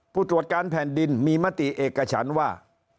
ผู้ตรวจการแผ่นดินมีมติเอกฉันว่า